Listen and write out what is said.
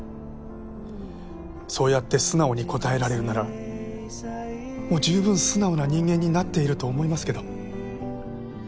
そうやって素直に答えられるならもう十分素直な人間になっていると思いますけど。